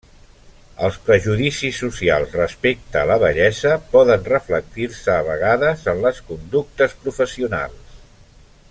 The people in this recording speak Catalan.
Els prejudicis socials respecte a la vellesa poden reflectir-se a vegades en les conductes professionals.